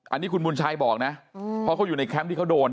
อันนี้คุณบุญชัยบอกนะเพราะเขาอยู่ในแคมป์ที่เขาโดน